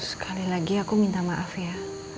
sekali lagi aku minta maaf ya